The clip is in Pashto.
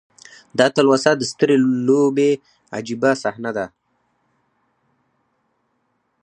دا تلوسه د سترې لوبې عجیبه صحنه ده.